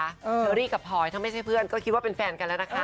เชอรี่กับพลอยถ้าไม่ใช่เพื่อนก็คิดว่าเป็นแฟนกันแล้วนะคะ